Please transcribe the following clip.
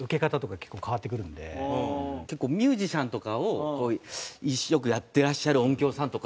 結構ミュージシャンとかをよくやってらっしゃる音響さんとか。